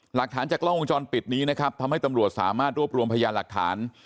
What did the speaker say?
หลักฐานจากกล้องวงจรปิดนี้นะครับทำให้ตำรวจสามารถรวบรวมพยานหลักฐาน